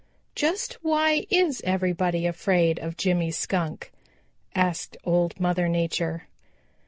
"Just why is everybody afraid of Jimmy Skunk," asked Old Mother Nature.